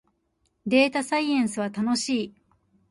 データサイエンスは楽しい